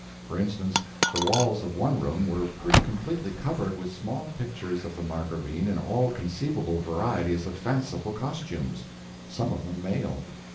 For instance, the walls of one room were pretty completely covered with small pictures of the Margravine in all conceivable varieties of fanciful costumes, some of them male.